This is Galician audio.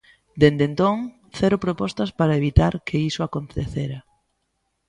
Dende entón, cero propostas para evitar que iso acontecera.